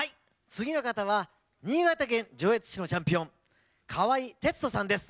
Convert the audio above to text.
次の方は新潟県上越市のチャンピオン川合徹人さんです。